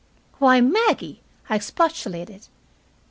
"Why, Maggie," I expostulated.